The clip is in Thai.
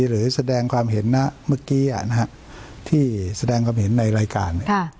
หรือแสดงความเห็นนะเมื่อกี้ที่แสดงความเห็นในรายการ